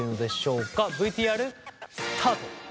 ＶＴＲスタート。